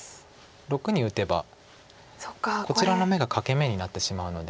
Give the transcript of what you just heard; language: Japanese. ⑥に打てばこちらの眼が欠け眼になってしまうので。